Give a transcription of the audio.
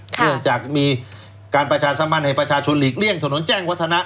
เนื่องจากมีการประชาสัมพันธ์ให้ประชาชนหลีกเลี่ยงถนนแจ้งวัฒนะ